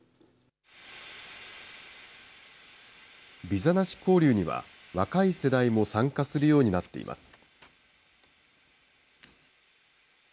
ビザなし交流には、若い世代も参加するようになっています。